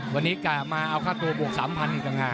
วันนี้กลับมาเอาค่าตัวบวก๓๐๐๐บาทอีกทางห้าง